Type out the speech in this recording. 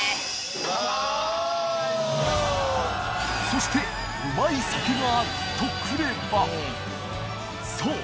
そしてうまい酒がとくればそう！